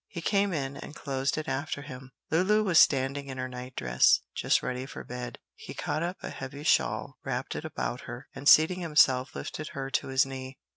He came in and closed it after him. Lulu was standing in her night dress, just ready for bed. He caught up a heavy shawl, wrapped it about her, and seating himself lifted her to his knee.